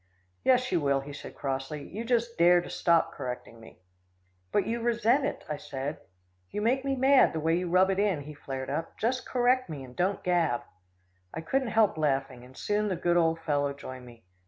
"Yes, you will," he said crossly. "You just dare to stop correcting me." "But you resent it," I said. "You make me mad, the way you rub it in," he flared up. "Just correct me, and don't gab." I couldn't help laughing, and soon the good old fellow joined me.